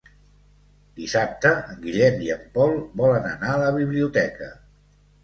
Dissabte en Guillem i en Pol volen anar a la biblioteca.